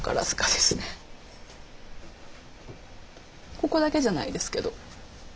ここだけじゃないですけど。